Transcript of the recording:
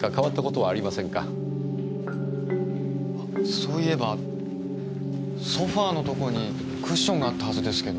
そういえばソファのとこにクッションがあったはずですけど。